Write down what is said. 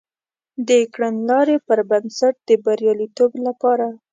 د کړنلاري پر بنسټ د بریالیتوب لپاره